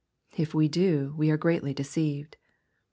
— If we do, we are greatly deceived.